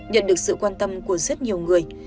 nhận được sự quan tâm của rất nhiều người